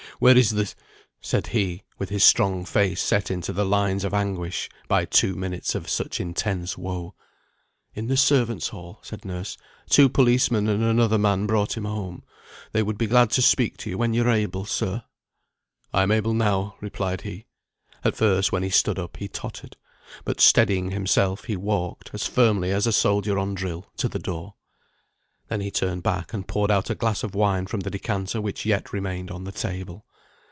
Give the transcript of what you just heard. where is the " said he, with his strong face set into the lines of anguish, by two minutes of such intense woe. "In the servants' hall," said nurse. "Two policemen and another man brought him home. They would be glad to speak to you when you are able, sir." "I am able now," replied he. At first when he stood up, he tottered. But steadying himself, he walked, as firmly as a soldier on drill, to the door. Then he turned back and poured out a glass of wine from the decanter which yet remained on the table.